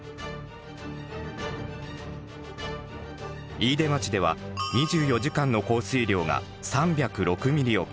飯豊町では２４時間の降水量が３０６ミリを記録。